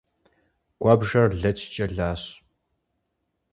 Куэбжэр лэчкӏэ лащ.